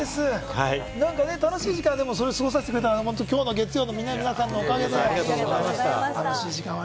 楽しい時間を過ごしてくれたのは今日の月曜日の皆さんのおかげです。